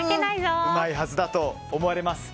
うまいはずだと思われます。